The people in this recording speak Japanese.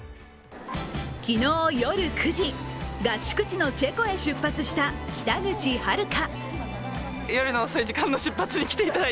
昨日夜９時、合宿地のチェコへ出発した北口榛花。